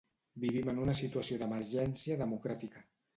Vivim en una situació d'emergència democràtica.